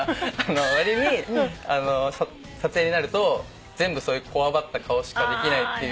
わりに撮影になると全部そういうこわばった顔しかできないっていう。